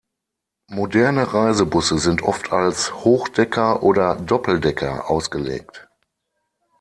Moderne Reisebusse sind oft als Hochdecker oder Doppeldecker ausgelegt.